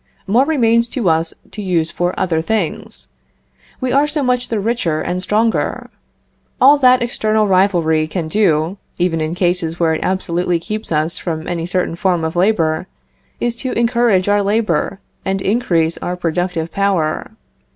More remains to us to use for other things. We are so much the richer and stronger. All that external rivalry can do, even in cases where it absolutely keeps us from any certain form of labor, is to encourage our labor, and increase our productive power.